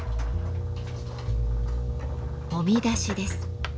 「揉み出し」です。